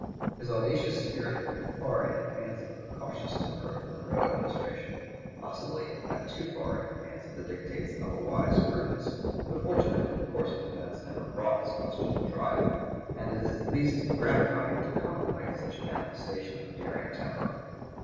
His audacious spirit went far in advance of the cautious temper of the Monroe administration; possibly it went too far in advance of the dictates of a wise prudence, though fortunately the course of events never brought this question to trial; and it is at least gratifying to contemplate such a manifestation of daring temper.